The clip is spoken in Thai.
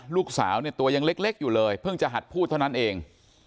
ลูกสาวเนี่ยตัวยังเล็กอยู่เลยเพิ่งจะหัดพูดเท่านั้นเอง